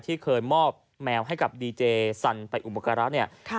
ที่เคยมอบแมวให้กับดีเจสันไปอุปการะเนี่ย